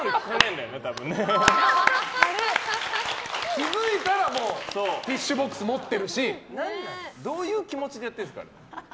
気づいたらもうティッシュボックス持ってるし。どういう気持ちでやってるんですか？